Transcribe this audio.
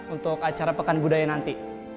untuk acara pekan budaya nanti